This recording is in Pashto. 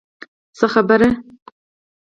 څه خبره.